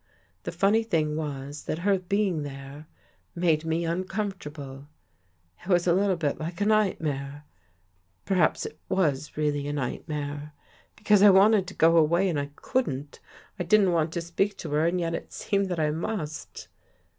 The funny thing was that her being there made me uncomfort 45 THE GHOST GIRL able. It was a little bit like a nightmare — per haps it was really a nightmare. Because I wanted to go away and I couldn't. I didn't want to speak to her and yet it seemed that I must.